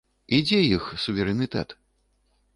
І дзе іх суверэнітэт?